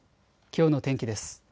きょうの天気です。